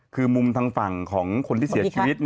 คือมุมทางฝั่งของคนที่เสียชีวิต